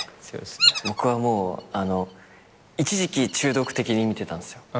僕は一時期中毒的に見てたんですよ。